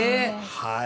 はい。